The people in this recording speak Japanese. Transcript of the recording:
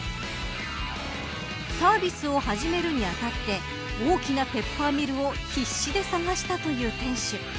サービスを始めるに当たって大きなペッパーミルを必死で探したという店主。